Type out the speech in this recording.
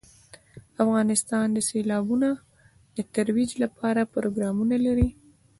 افغانستان د سیلابونه د ترویج لپاره پروګرامونه لري.